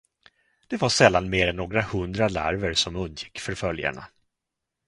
Det var sällan mer än några hundra larver, som undgick förföljarna.